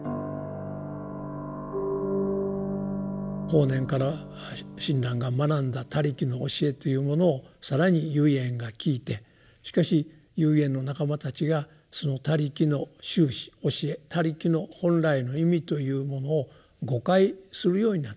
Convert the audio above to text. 法然から親鸞が学んだ「他力」の教えというものを更に唯円が聞いてしかし唯円の仲間たちがその「他力」の宗旨教え「他力」の本来の意味というものを誤解するようになってくると。